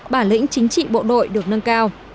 bản lĩnh chính trị bộ đội được nâng cao